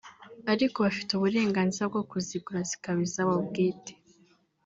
ariko bafite uburenganzira bwo kuzigura zikaba izabo bwite